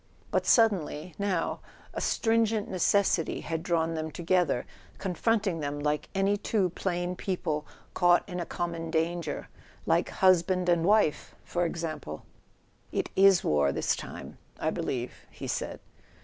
But suddenly, now, a stringent necessity had drawn them together, confronting them like any two plain people caught in a common danger—like hus¬ band and wife, for example! "It is war, this time, I believe," he said.